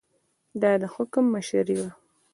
دا د حکم مشري وه.